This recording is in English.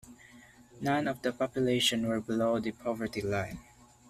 None of the population were below the poverty line.